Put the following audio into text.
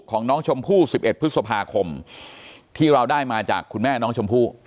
ของน้องชมพู่๑๑พฤษภาคมที่เราได้มาจากคุณแม่น้องชมพู่